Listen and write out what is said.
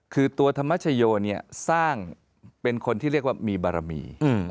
คือตัวธรรมชโยสร้างเป็นคนที่เรียกว่ามีบารมี